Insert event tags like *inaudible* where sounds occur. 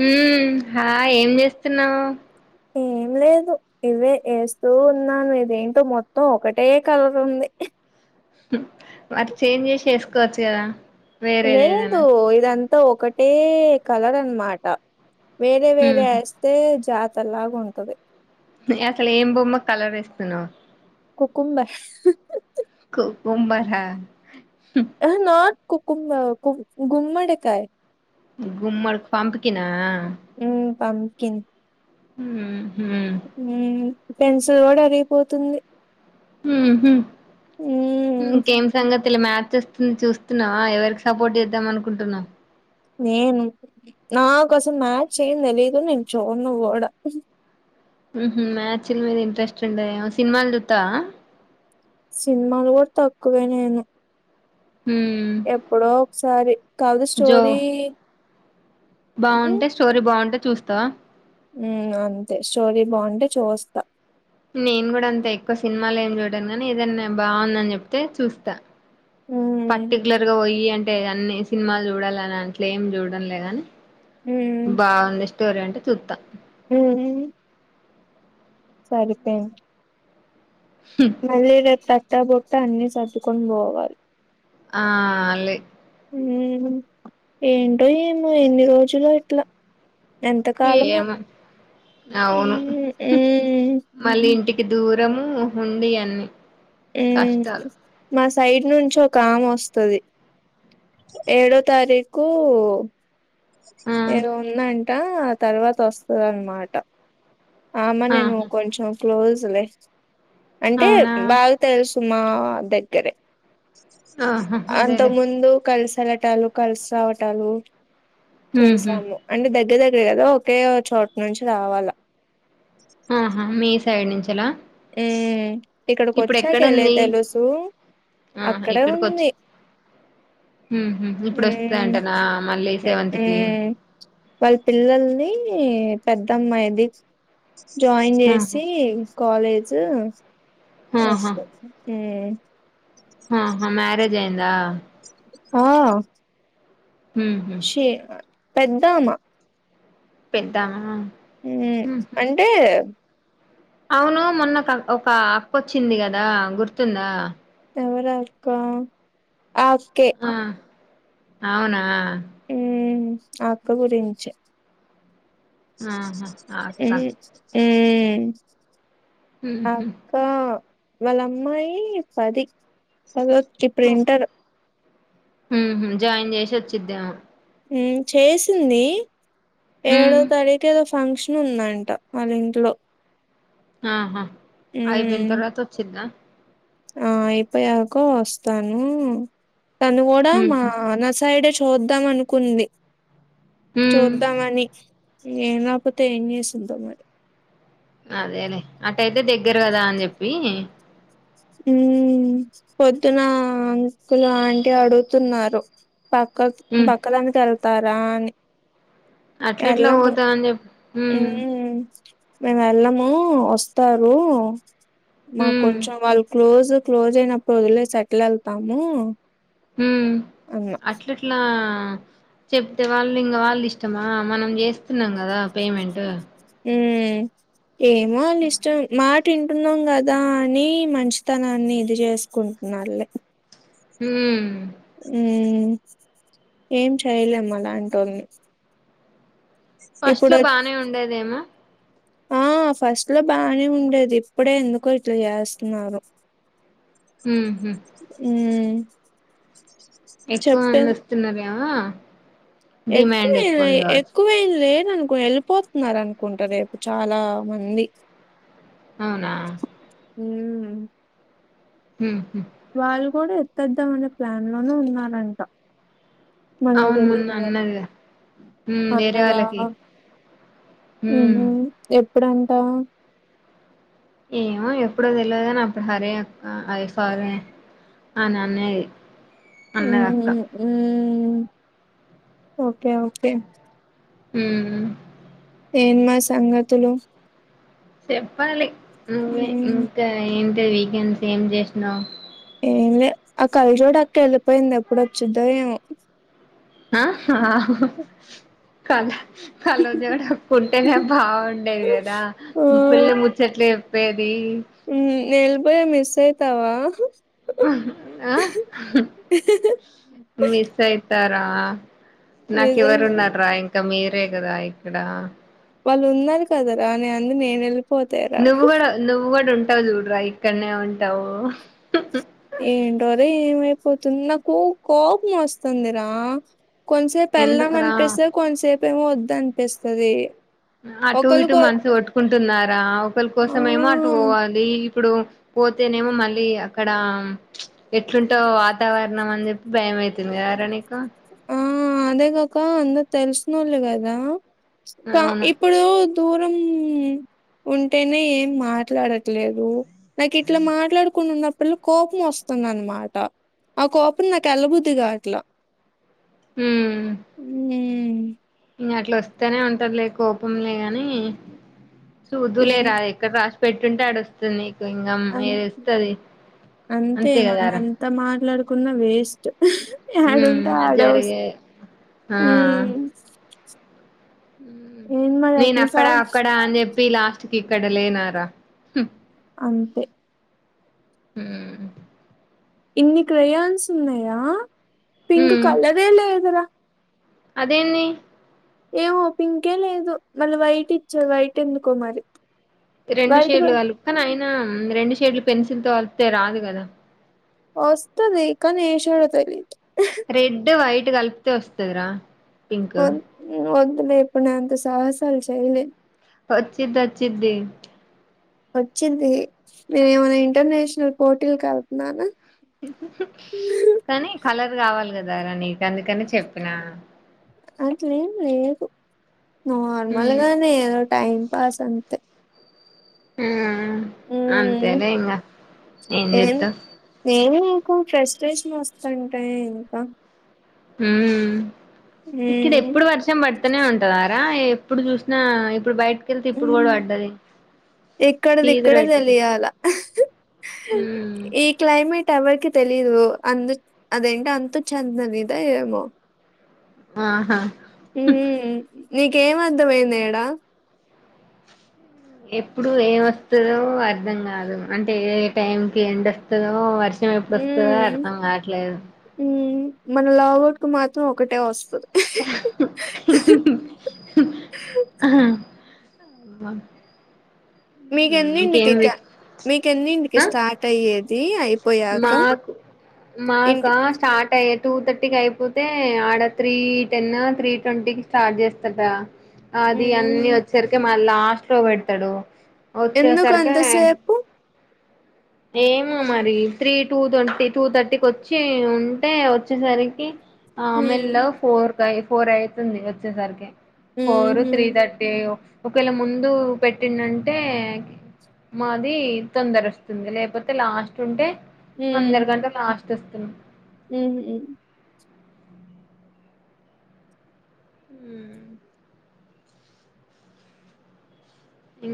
హమ్ hi ఏం చేస్తున్నావు ఏం లేదు ఇవే వేస్తూ ఉన్నాను ఇది ఏంటో మొత్తం ఒకటే కలర్ ఉంది మరి చేంజ్ చేసి వేసుకోవచ్చు కదా వేరేది లేేదు ఏదైనా ఇదంత అ ఒకటే కలర్ అన్నమాట వేరే వేరే హ్మ్ ఎస్తతే జత చల్లగా ఉంటది అసలు ఏం బొమ్మ కలరేస్తున్నావు కు కుంబర్ కు కుంబర్ ఆ ఎహె నాట్ కు కుంబర్ కు గుమ్మడికాయ గుమ్మడికి పంప్ కినా ఉమ్ పంకిన్ హమ్ ఉమ్ పెన్సిల్ కూడా అరిగిపోతుంది హ హ్మ్ ఇంకేం సంగ మ్యాచ్ వస్తుంది చూస్తున్నావా ఎవరికి సపోర్ట్ చేద్దాం అనుకుంటున్నావు నేను నాకు అస్సలు మ్యాచ్ ఏం తెలీయదు నేను చూడను కూడా మ్యాచ్ ల మీద ఇంట్రెస్ట్ ఉండయ సినిమాలు చూతావా సినిమాలు కూడా తక్కువేనేను హ్మ్ ఎప్పుడో ఒకసారి కాదు స్టోరీ బాగుంటె స్టోరీ బాగుంటె చూస్తావ ఉ అంతే స్టోరీ బాగుంటే చూస్తా నేను కూడా అంత ఎక్కువ సినిమాలు ఏం చూడన్ కానీ ఏదైనా బాగుందని చెప్తే చూస్తా హ్మ్. పర్టికులర్ గా పోయి అంటే అన్ని సినిమాలు చూడాలని అంట్లే ఏం చూడన్లేగాని బావుంది స్టోరీ అంటే చూస్తా మ్ మ్ సరిపోయింది మళ్ళీ రేపు తట్ట బుట్ట అన్నిీ సర్దుకొని పోవాలి ఆ... లే ఏంటో ఏమో ఎన్ని రోజులు ఇట్లా ఎంతకాలము ఏమో అవును మళ్ళీ ఇంటికి దూరము ఉండి అన్ని ఊ కష్టాలు మస్త్ సైడ్ నుంచి ఒక ఆమె వస్తుది ఏడో తారీకుు ఆ ఎ *unintelligible* ఆ తర్వాత వస్తుంది అన్నమాట ఆమె నేను ఆహా కొంచం క్లోస్ *unintelligible* అంటే అవునా బాగా సుమా దగ్గరె ఆహా అంత అదేలే ముందు కలిసి తలటాలు కలుసావటాలు ఉహు చేసాము అన్ని దగ్గర దగ్గర ఎదో ఒకే చోటు నుంచి రావాలా ఆహా మే సైడ్ నుంచి ఉమ్ ఇక్కడికి ఇప్పుడు ఎక్కడ వచ్చాకెలే ఉంది తెలుసు ఆహా అక్కడే ఎక్కడికి వచ్చి ఉంది ఉహు ఇప్పుడు వస్తుంది ఉమ్ అంట నా మళ్ళీ సెవెంత్ కి ఉమ్ వాళ్ళ పిల్లల్ని పెద్దమ్మాయిది జాయిన్ ఆహా చేసి వెజ్ ఆహా వొస్తే ఉమ్ ఆహా మ్యారేజ్ అయిందా ఆ ఉహు శే పెద్ద ఆమె పెద్ద ఆమె ఉ అంటే అవును మొన్న ఒక అక్కొచ్చింది కదా గుర్తుందా ఎవరు అక్క ఆ అక్కే ఆ అవునా ఉమ్ అక్క గురించి ఆహా ఆ ఈ అక్క ఊ ఉహు అక్క వాళ్ళ అమ్మాయి పది పదో ఇప్పుడు ఇంటర్ ఉహూ జాయిన్ చేసి వచ్చిందేమో ఉమ్ చేసింది ఉ ఏడో తారీఖు ఫంక్షన్ ఉందంట వాళ్ళ ఇంట్లో ఆహా అయిపోయిన ఉమ్ తర్వాత వచ్చిందా ఆ అయిపోయాక వస్తాను తను కూడా మా ఉహు అన్న సైడ్ చూద్దాం అనుకుంది ఉ చూద్దాం అని ఏం ఆపితే ఏం చేస్తుంది మరి అదే అదే అట్టయితే దగ్గర కదా అని చెప్పి ఉ పొద్దున అంకుల్లాంటి అడుగుతున్నారు బక బకలు అ తర తరాని అట్ల ఎట్లా పోదా అని చెప్ప ఆ మేము వెళ్ళము వస్తారు మాకు హ్మ్ కొంచెం వాళ్ళు క్లోజ్ క్లోజ్ అయినప్పుడు వదిలే సెటిల్ వెళ్తాము హ అన్నా అట్లట్లా చెప్తే వాళ్ళు ఇంక వాళ్ళు ఇష్టమా మనం చేస్తున్నాం కదా పేమెంటట్ ఏ ఏమో అల్ ఇష్ట మా తింటున్నాం కదా అని మంచితనాన్ని ఇది చేసుకుంటున్నారు హ ఉ ఏం చేయలేమ్మా అలాంటి వాని ఫస్ట్ లో బానే ఉండేదేమో ఆ ఫస్ట్ లో బానే ఉండేది ఇప్పుడే ఎందుకో ఇట్లా చేస్తున్నారు హ్మ్ హు అ ఎక్కువ అంద వస్తున్నారు ఆ ఎక్కువ మ ఎక్కువవ లే అనుకు వెళ్ళిపోతున్నారు అనుకుంటారు రేపు చాలా మంది అవునా హ హ వాళ్ళు కూడా ఎత్తిద్దామనే ప్లాన్ లోనూ ఉన్నారంట మనకు అవును మొన్న తెలిదు మరి అన్నదిగా హ్మ్ వేరే అన్నదా వాళ్ళకి హ్మ్ ఎప్పుడంట ఏమో ఎప్పుడో తెలియదుని అప్పుడు హరే అది సారీ ఆ నన్నేది ఉ ఓకే ఓకే ఓకే హ ఏన్మా సంగతులు చెప్పాల నువ్వ హ్మ్ ఇంకా అ వీకెండ్స్ ఏం చేసినా్ ఏం లే ఆ కళ్ళ చోడు అక్క వెళ్ళిపోయింది ఎప్పుడు ఒక చూద్దా ఏం ఆ ఆ కాల కలో చడ ఉంటేనే బాగుండేది కదా పిల్ల ముచ్చట్లే వేడు ఉ నల్బయ మస్ సేతావా ఆ మీస్యి తరా నాకు నిజం ఎవరు ఉన్న డ్రాయింగ్ ఇంకా మీరే కదా ఇక్కడ వాళ్ళు ఉన్నారు కదా రా అని అందు నేనుె నువ్వు కూడా నువ్వు కూడా ఉంటావ దూరరా ఇక్కడ దా ఏంటోదే పోతుంది నాకు కోపం వస్తుందిరా కొంసేపు వెళ్ళాం ఎందుకురా అనిపిస్తుే కొంతసేపు ఏమ వద్దని పిస్తుంది అటు ఇటు మనిసు ఒట్టుకుంటున్నారా ఒకరి ఆ కోసమేమో అటు పోవాలి ఇప్పుడు పోతేనేమో మళ్ళీ అక్కడ ఎట్లుంటో వాతావరణం అని చెప్పి భయమవుతుంది కారనిక ఆ అదేగాక అందరు తెలిసిన వాళ్ళు కదా కా అవును ఇప్పుడు దూరం ఉంటేనే ఏం మాట్లాడట్లేదు నాకు ఇట్లా మాట్లాడుకుంన్న పిల్ల కోపం వస్తుంది అనమాట ఆ కోపం నాకు ఎల్లబుద్దిగా అట్లా హ హ ఇంకా అట్లా వస్తేనే ఉంటారులే కోపంలేగాని చూదులే రా ఎక్కడ రా పెట్టుంటే ఆడ వస్తుంది సిలింగం వది ఏ ఇస్తుది అంతే కదార కున్న వేస్ట్ హు ఎడుంట అది ఆడ జరిగే ఆ హు నేను అక్కడ సాగు అక్కడ అని చెప్ లాస్ట్ కి ఇక్కడ లేనారా హు అంతే హ ఇన్ని క్రయాన్స్ ఉన్నాయా పింక్ కలర్ ఎ లే అదరా అదేన్నీ ఏమో పింకే లేదు. మళ్ళీ వైట్ ఇచ్చ వైట్ ఎందుకో మరి రెండు వైట్ షేర్లు కూడా కాలు కానీ ఆయన రెండు షేడ్లు పెన్సిల్ తో వలితే రాదు కదా వస్తది కానీ ఎ షెడ్ తెలి రెడ్ వైట్ కలిపితే వస్తుదిరా *unintelligible* ఇప్పుడు నే ఎంత సాహసాలు చేయలే వచ్చిద్ది వచ్చిద్ది వచ్చింది నేను ఏమైనా ఇంటర్నేషనల్ పోర్టీల్ క వెళ్తున్నానా *unintelligible* కానీ కలర్ కావాలి కదా అదారా నీక అందుకని చెప్పినా అట్లేం లేదు నార్మల్గానే ఏద టైమ్ పాసంతే హు హ్మ్. అంతేలే ఇంకా ఏం చెతా ఇంకో ఫ్రెష్ ఫ్రెష్ వస్తుంటాయి ఇంకా హ ఇక్కడ హ్మ్. ఎప్పుడు వర్షం పడుతనే ఉంటదారా ఎ ఇప్పుడు చూసినా ఇప్పుడు బయట హు ఇక్కడది చీదర ఇక్కడే పెట్టుకో తెలియాల ఉమ్ ఈ క్లైమేట్ ఎవరికి తెలిదు అందు అదేంటి అంత చెందానిదా ఏమో ఆహా హ నీకేం అర్ధమయింది ఎడా ఎప్పుడు ఏం వస్తుదో అర్ధం కాదు అంటే ఏ టైంకి ఎందుస్తుందో వర్స నిం ఎప్పుడు వస్తుందో హ్మ్. అర్థం కావట్లేదు హ్మ్. మన లావౌట్ కు మాత్రం ఒకటే వస్తది. ఆ *unintelligible* కుదన్ *unintelligible* మీక ఎన్నింటికి ఇక మీక ఎన్నింటికి ఆ స్టార్ట్ అయ్యేది అయి మాకు మాకా స్టార్ట్ టూ థర్టీ కి అయిపోతే ఆడ త్రీ టెన్ త్రీ ట్వంటీకి స్టార్ట్ చేస్తాడాటా అది అన్ని హ్మ్. ఓచ్చరికేమ లాస్ట్లో పెడతాడు ఎందుకు వచ్చేసరికి అంతసేపు ఏమో మరి త్రీ టూ ట్వంటీ టూ థర్టీకి వచ్చి ఉంటే వచ్చేసరికి ఆహ్ హ్మ్. మెల్లగా ఫోర్ ఫైవ్ ఫోర్ అయితుంది వచ్చేసరికే ఫోరు హుహు. త్రీ థర్టీ అయ్యో ఒకవేళ ముందు పెట్టిండుంటే మాది తొందరస్తుం ది లేకపోతే లాస్ట్ ఉంటే అందరకంటే లాస్ట్ తెస్తున్నాం హమ్ హమ్ *inaudible* *inaudible*